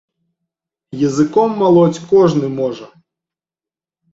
Языком малоць кожны можа!